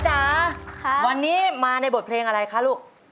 จ๋าวันนี้มาในบทเพลงอะไรคะลูก